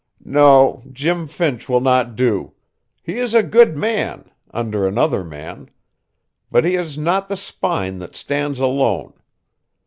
"No, Jim Finch will not do. He is a good man under another man. But he has not the spine that stands alone.